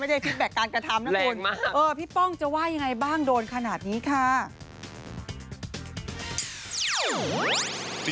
ไม่ได้ฟิตแบ็กการกระทำนะคุณพี่ป้องจะว่ายังไงบ้างโดนขนาดนี้ค่ะแหลกมาก